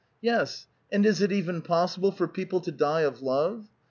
Yes, and is it even possible for people to die of love?